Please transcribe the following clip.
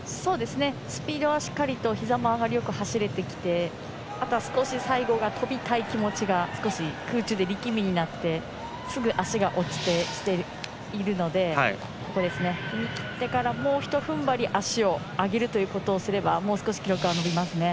スピードはしっかりとひざの上がりもよく走れてきてあとは少し、最後跳びたい気持ちが空中で力みになってすぐ足が落ちてきているので踏み切ってからもうひと踏ん張り足を上げることをすればもう少し記録は伸びますね。